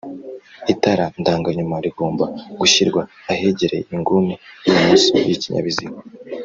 Itara ndanga nyuma rigomba gushyirwa ahegereye inguni y ibumoso y ikinyabiziga